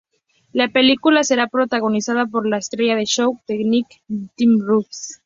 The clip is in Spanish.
La película será protagonizada por la estrella del show de Nickelodeon "Big Time Rush".